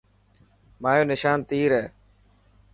مايو نشان تير هي.